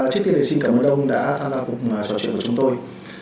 trước tiên thì xin cảm ơn ông đã tham gia cuộc trò chuyện của chúng tôi